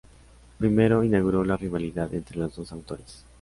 Primero, inauguró la rivalidad entre los dos autores.